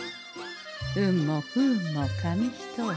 運も不運も紙一重。